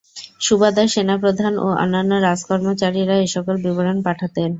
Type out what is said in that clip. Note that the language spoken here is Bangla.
সুবাদার, সেনাপ্রধান ও অন্যান্য রাজকর্মচারীরা এ সকল বিবরণ পাঠাতেন।